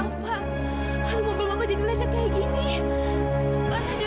sampai jumpa di video selanjutnya